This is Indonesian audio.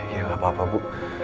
ya nggak apa apa bu